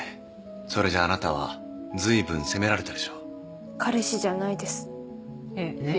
それじゃああなたは随分責められたでしょう彼氏じゃないですえっ？